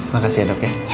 makasih ya dok ya